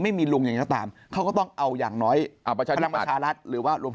ไม่มีลุงอย่างนี้แล้วตาม